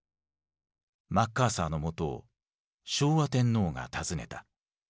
マッカーサーのもとを昭和天皇が訪ねた。